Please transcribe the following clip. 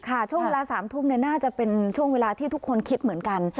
ช่วงเวลา๓ทุ่มน่าจะเป็นช่วงเวลาที่ทุกคนคิดเหมือนกัน